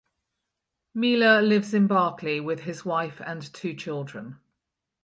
Miele lives in Berkeley with his wife and two children.